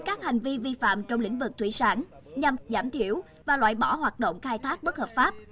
các hành vi vi phạm trong lĩnh vực thủy sản nhằm giảm thiểu và loại bỏ hoạt động khai thác bất hợp pháp